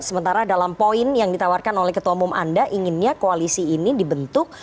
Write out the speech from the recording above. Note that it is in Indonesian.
sementara dalam poin yang ditawarkan oleh ketua umum anda inginnya koalisi ini dibentuk